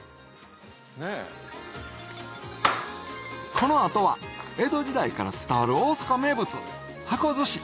この後は江戸時代から伝わる大阪名物箱寿司！